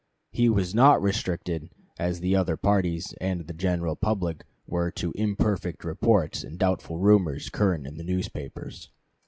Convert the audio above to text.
He was not restricted as the other parties and the general public were to imperfect reports and doubtful rumors current in the newspapers.